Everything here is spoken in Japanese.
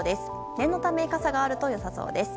念のため傘があると良さそうです。